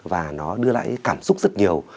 và nó đưa lại cảm xúc rất nhiều